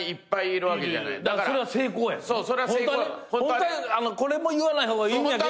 ホントはこれも言わない方がいいんだけど。